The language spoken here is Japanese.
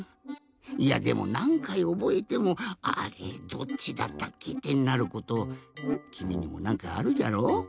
いやでもなんかいおぼえても「あれどっちだったっけ？」ってなることきみにもなんかあるじゃろ？